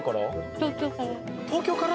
東京から？